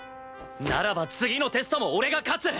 ならば次のテストも俺が勝つ！